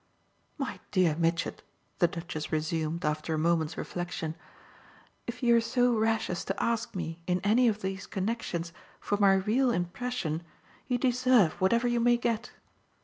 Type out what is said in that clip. My dear Mitchett," the Duchess resumed after a moment's reflexion, "if you're so rash as to ask me in any of these connexions for my 'real' impression you deserve whatever you may get."